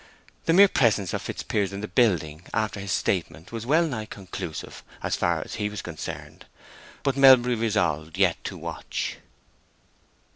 The mere presence of Fitzpiers in the building, after his statement, was wellnigh conclusive as far as he was concerned; but Melbury resolved yet to watch.